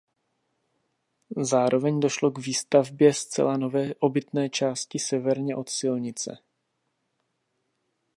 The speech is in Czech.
Zároveň došlo k výstavbě zcela nové obytné části severně od silnice.